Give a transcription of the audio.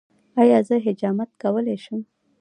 ایا زه حجامت کولی شم؟